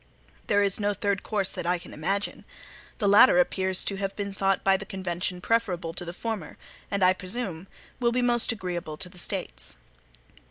There is no third course that I can imagine. The latter appears to have been thought by the convention preferable to the former, and, I presume, will be most agreeable to the States.